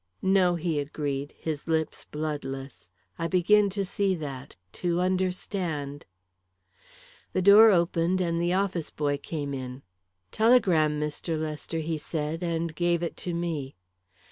"No," he agreed, his lips bloodless. "I begin to see that to understand " The door opened, and the office boy came in. "Telegram, Mr. Lester," he said, and gave it to me.